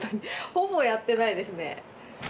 ほぼやってないですね。